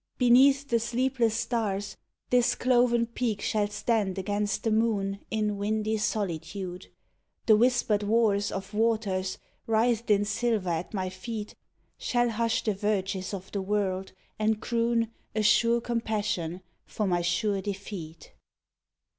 Beneath the sleepless stars This cloven peak shall stand against the moon In windy solitude, the whispered wars Of waters writhed in silver at my feet Shall hush the verges of the world and croon A sure compassion for my sure defeat.